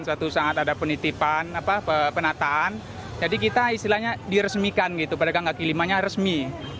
suatu saat ada penitipan penataan jadi kita istilahnya diresmikan gitu pedagang kaki lima nya resmi